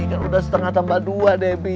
debi kan udah setengah tambah dua debi